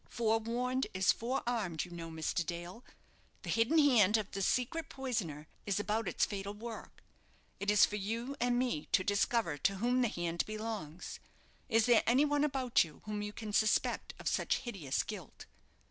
Forewarned is forearmed, you know, Mr. Dale. The hidden hand of the secret poisoner is about its fatal work; it is for you and me to discover to whom the hand belongs. Is there any one about you whom you can suspect of such hideous guilt?"